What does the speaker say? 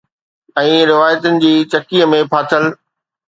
۽ روايتن جي چکی ۾ ڦاٿل